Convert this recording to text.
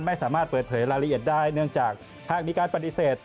ไม่สามารถเปิดเผยรายละเอียดได้เนื่องจากหากมีการปฏิเสธ